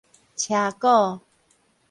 車鼓